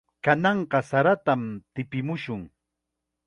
Kananqa saratam tipimushun.